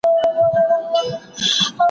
د نفس غوښتني نه لټول کېږي.